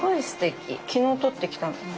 昨日とってきたの。